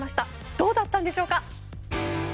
どうだったんでしょうか。